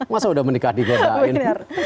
masa udah menikah digodain